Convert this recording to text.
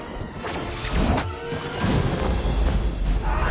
あ！